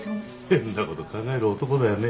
変なこと考える男だよね。